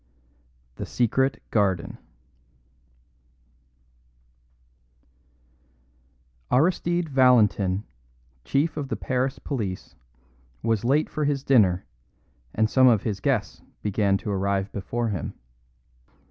The Secret Garden Aristide Valentin, Chief of the Paris Police, was late for his dinner, and some of his guests began to arrive before him.